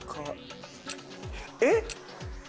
えっ？